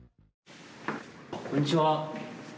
こんにちは。